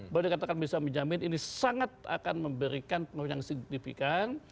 boleh dikatakan bisa menjamin ini sangat akan memberikan yang signifikan